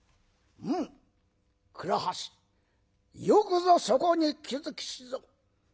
「うん倉橋よくぞそこに気付きしぞ。